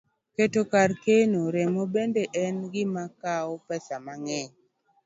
Keto kar kano remo bende en gima kawo pesa mang'eny